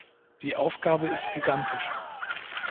Die Aufgabe ist gigantisch.